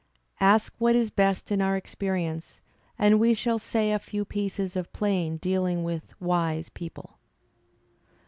"Ask what is best in our experi ence» and we shall say a few pieces of plain dealing with wise people.